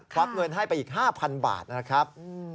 วักเงินให้ไปอีก๕๐๐บาทนะครับ